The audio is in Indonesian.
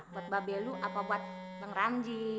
buat babelu apa buat bang ranji